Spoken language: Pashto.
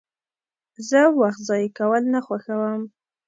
زه وخت ضایع کول نه خوښوم.